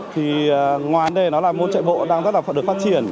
thì ngoan đây nó là môn chạy bộ đang rất là được phát triển